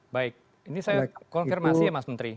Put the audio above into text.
baik ini saya konfirmasi ya mas menteri